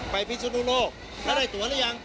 ไปพิษนุนโลกได้ตัวหรือยัง